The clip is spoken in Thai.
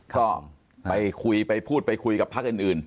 ก็ไปคุยไปพูดไปคุยกับพักอื่น